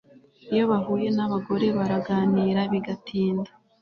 iyo bahuye n'abagore baraganira bigatinda